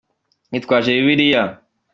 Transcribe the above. yitwaje Bibiliya.